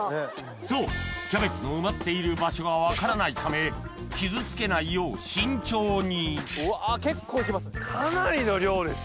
そうキャベツの埋まっている場所が分からないため傷つけないよう慎重にうわ結構行きますね。